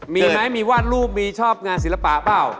มีไหมมีวาดรูปมีชอบงานศิลปะเปล่า